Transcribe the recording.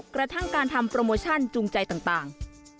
กระทั่งการทำโปรโมชั่นจูงใจต่าง